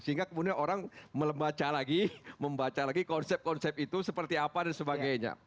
sehingga kemudian orang membaca lagi konsep konsep itu seperti apa dan sebagainya